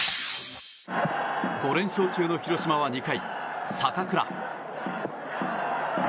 ５連勝中の広島は２回、坂倉。